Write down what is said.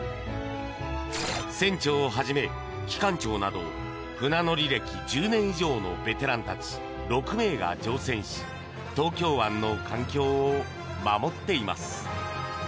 船長をはじめ、機関長など船乗り歴１０年以上のベテランたち６名が乗船し東京湾の環境を守っています。